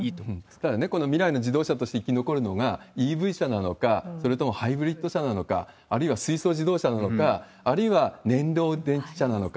ただね、この未来の自動車として生き残るのがＥＶ車なのか、それともハイブリッド車なのか、あるいは水素自動車なのか、あるいは燃料電池車なのか。